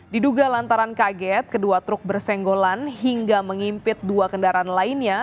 diduga lantaran kaget kedua truk bersenggolan hingga mengimpit dua kendaraan lainnya